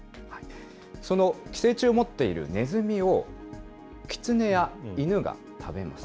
その寄生虫を持っているネズミを、キツネや犬が食べます。